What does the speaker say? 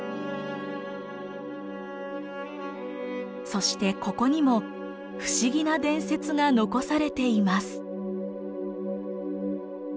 そしてここにも不思議な伝説が残されています。